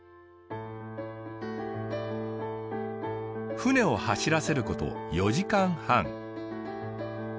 船を走らせること４時間半。